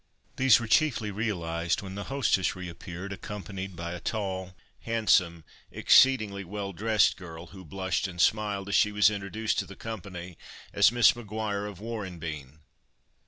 These were chiefly realised, when the hostess reappeared, accompanied by a tall, handsome, exceedingly well dressed girl, who blushed and smiled, as she was introduced to the company as "Miss Maguire of Warranbeen."